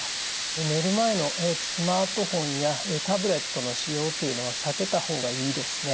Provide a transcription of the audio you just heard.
寝る前のスマートフォンやタブレットの使用というのは避けた方がいいですね。